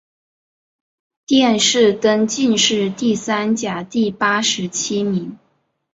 殿试登进士第三甲第八十七名。